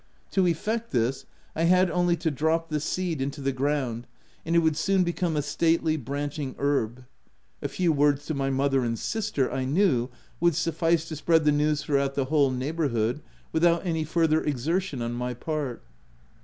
To effect this, I had only to drop the seed into the ground, and it would soon be come a stately, branching herb : a few words to my mother and sister, I knew, w T ould suffice to spread the news throughout the whole neigh bourhood, without any further exertion on my part.